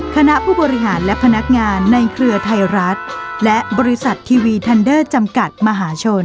คณะผู้บริหารและพนักงานในเครือไทยรัฐและบริษัททีวีทันเดอร์จำกัดมหาชน